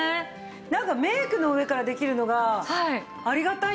なんかメイクの上からできるのがありがたいんですよね。